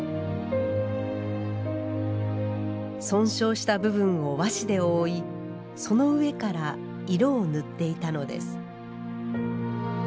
損傷した部分を和紙で覆いその上から色を塗っていたのです。